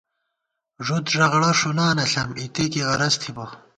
ݫُد ݫغڑہ ݭُنانہ ݪم ، اِتے کی غرض تھِبہ